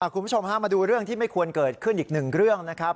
คุณผู้ชมฮะมาดูเรื่องที่ไม่ควรเกิดขึ้นอีกหนึ่งเรื่องนะครับ